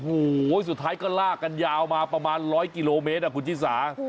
โอ้โหสุดท้ายก็ลากกันยาวมาประมาณ๑๐๐กิโลเมตรคุณชิสา